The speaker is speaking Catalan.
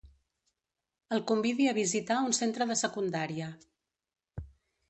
El convidi a visitar un centre de secundària.